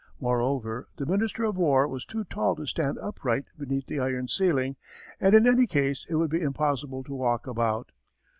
Moreover, the Minister of War was too tall to stand upright beneath the iron ceiling, and in any case it would be impossible to walk about.